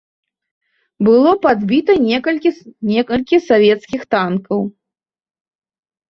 Было падбіта некалькі савецкіх танкаў.